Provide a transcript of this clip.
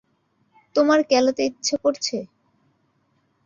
তোমার ক্যালাতে ইচ্ছে করছে?